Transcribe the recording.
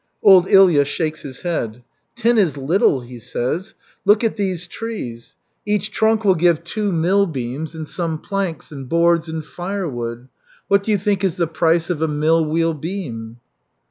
Old Ilya shakes his head. "Ten is little," he says. "Look at these trees. Each trunk will give two mill beams and some planks and boards and firewood. What do you think is the price of a mill wheel beam?"